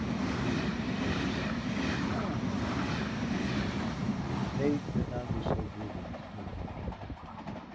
You fear for yourself?" "No, I don't," she protested. "Fate could not be so brutal to take you from me.